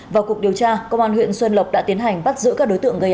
vào cuộc điều tra công an huyện xuân lộc đã tiến hành bắt giữ các đối tượng gây án